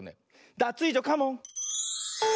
ダツイージョカモン！